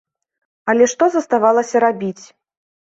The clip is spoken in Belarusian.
Але што заставалася рабіць?